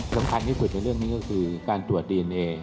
สำคัญที่สุดในเรื่องนี้ก็คือการตรวจดีเอนเอ